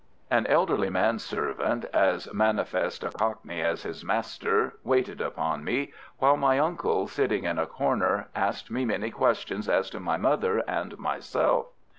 An elderly manservant, as manifest a Cockney as his master, waited upon me, while my uncle, sitting in a corner, asked me many questions as to my mother and myself.